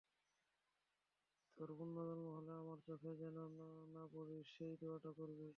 তোর পুনঃজন্ম হলে আমার চোখে যেন না পড়িস সেই দোয়াটা করবি!